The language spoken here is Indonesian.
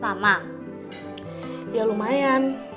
ya lumayan makanya takutnya libur ya